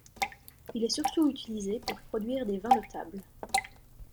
Il est surtout utilisé pour produire des vins de table.